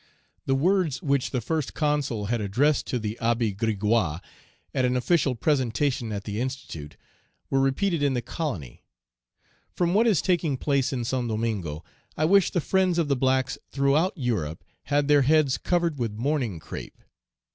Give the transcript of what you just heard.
The words which the First Consul had addressed to the Abbé Grégoire, at an official presentation at the Institute, were repeated in the colony: "From what is taking place in Saint Domingo, I wish the friends of the blacks throughout Europe had their heads covered with mourning crape."